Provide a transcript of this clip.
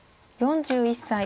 ４１歳。